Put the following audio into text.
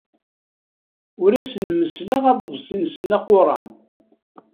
Ur asen-messleɣ aḍebsi-nsen aquran.